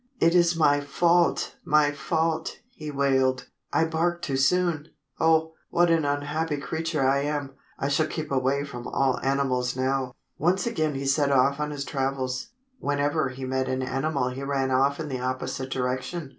"It is my fault, my fault," he wailed. "I barked too soon. Oh, what an unhappy creature I am. I shall keep away from all animals now." Once again he set off on his travels. Whenever he met an animal he ran off in the opposite direction.